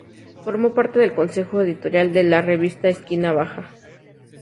Formó parte del Consejo Editorial de la Revista Esquina Baja.